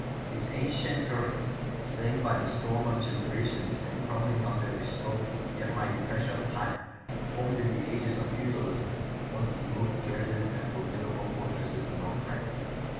These ancient turrets, stained by the storms of generations and crumbling under the slow yet mighty pressure of time, formed in the ages of feudalism one of the most dreaded and formidable fortresses in all France.